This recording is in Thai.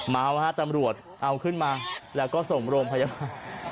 เมาฮะตำรวจเอาขึ้นมาแล้วก็ส่งโรงพยาบาล